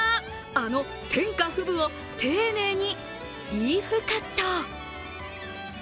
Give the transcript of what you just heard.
あの天下富舞を丁寧にリーフカット。